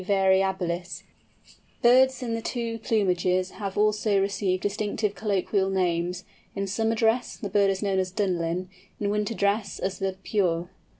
variabilis_. Birds in the two plumages have also received distinctive colloquial names; in summer dress, the bird is known as "Dunlin," in winter dress as the "Purre."